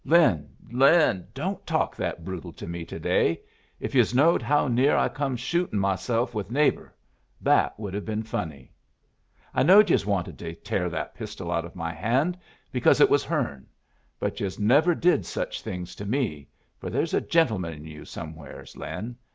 "Lin, Lin, don't talk that brutal to me to day. If yus knowed how near I come shooting myself with 'Neighbor.' That would have been funny! "I knowed yus wanted to tear that pistol out of my hand because it was hern. But yus never did such things to me, fer there's a gentleman in you somewheres, Lin.